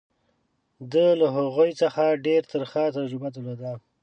ده له هغوی څخه ډېره ترخه تجربه درلوده.